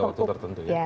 jangka waktu tertentu ya